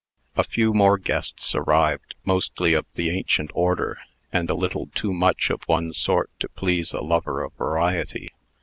A few more guests arrived, mostly of the ancient order, and a little too much of one sort to please a lover of variety.